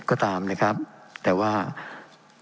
เป็นของสมาชิกสภาพภูมิแทนรัฐรนดร